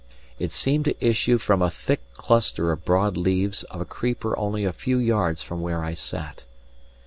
It seemed to issue from a thick cluster of broad leaves of a creeper only a few yards from where I sat.